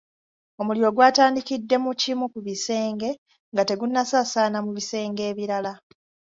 Omuliro gw'atandikidde mu kimu ku bisenge nga tegunnasaasaana mu bisenge ebirala.